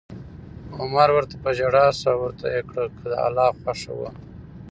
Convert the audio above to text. عمر ورته په ژړا شو او ورته کړه یې: که د الله خوښه وه